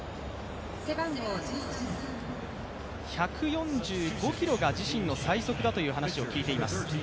１４５キロが自身の最速だという話を聞いています。